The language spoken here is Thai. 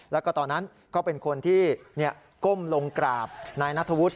แล้วก็ตอนนั้นก็เป็นคนที่ก้มลงกราบนายนัทธวุฒิ